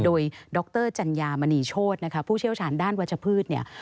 โดยดรจัญญามณีโชดผู้เชี่ยวชาญด้านวัชพฤติ